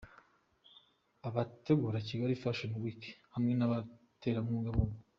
Abategura Kigali Fashion Week hamwe n'abaterankunga babo.